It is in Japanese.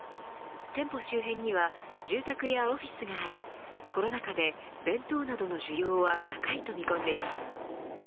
店舗周辺には住宅やオフィスがありコロナ禍で弁当などの需要は高いと見込んでいます